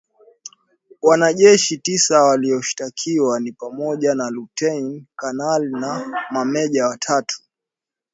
Wanajeshi tisa walioshtakiwa ni pamoja na lutein kanali na mameja watatu.